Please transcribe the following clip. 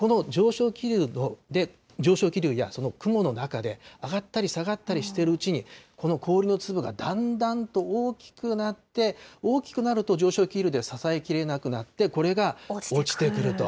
この上昇気流やその雲の中で、上がったり下がったりしているうちに、この氷の粒がだんだんと大きくなって、大きくなると上昇気流で支えきれなくなって、これが落ちてくると。